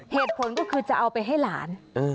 เหตุผลก็คือจะเอาไปให้หลาน